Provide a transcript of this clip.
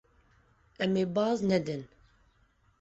Em ê baz nedin.